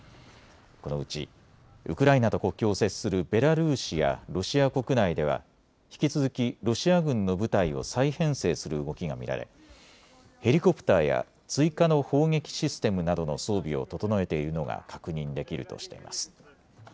このうちウクライナと国境を接するベラルーシやロシア国内では引き続きロシア軍の部隊を再編成する動きが見られヘリコプターや追加の砲撃システムなどの装備を整えているのが確認できるとしています。